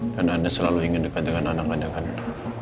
dan anda selalu ingin dekat dengan anak anak anda